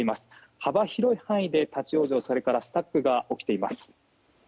幅広い範囲で立ち往生、それからスタックが起きています。